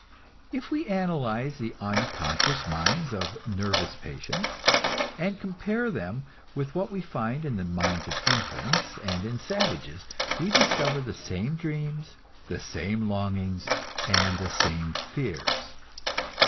If we analyze the unconscious minds of "nervous patients," and compare them with what we find in the minds of infants, and in savages, we discover the same dreams, the same longings and the same fears.